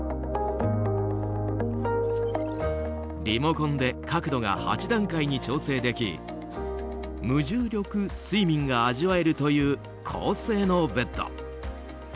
リモコンで角度が８段階に調整でき無重力睡眠が味わえるという高性能ベッド。